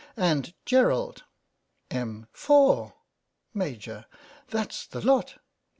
And Gerald. Em. : Four ! Maj. : That's the lot.